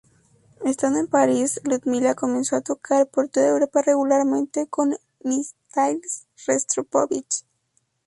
Estando en París, Ludmila comenzó a tocar por toda Europa regularmente con Mstislav Rostropóvich.